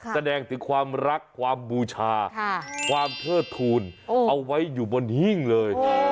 แสดงถึงความรักความบูชาความเทิดทูลเอาไว้อยู่บนหิ้งเลย